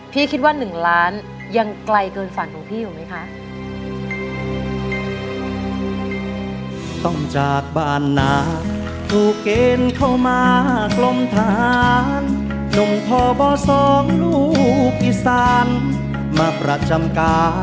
คิดว่า๑ล้านยังไกลเกินฝันของพี่อยู่ไหมคะ